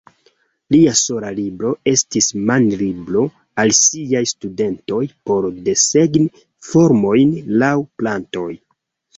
Lia sola libro estis manlibro al siaj studentoj por desegni formojn laŭ plantoj.